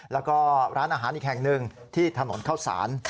แล้วก็ร้านอาหารอีกแห่งหนึ่งที่ถนนเข้าสาร